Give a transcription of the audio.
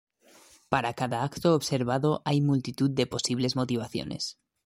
Para cada acto observado hay multitud de posibles motivaciones.